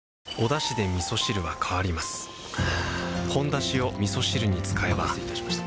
「ほんだし」をみそ汁に使えばお待たせいたしました。